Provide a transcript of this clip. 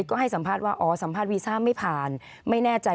ขอบคุณครับ